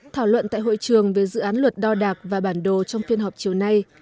thảo luận tại hội trường về dự án luật đo đạc và bản đồ trong phiên họp chiều nay